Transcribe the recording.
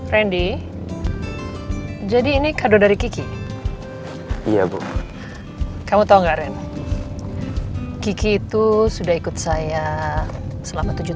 randy jadi ini kado dari kiki iya bu kamu tau nggak ren kiki itu sudah ikut saya selama tujuh belas